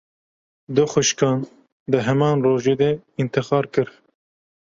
Du xwişkan, di heman rojê de întixar kir